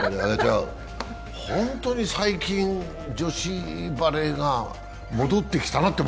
本当に最近、女子バレーが戻ってきたなって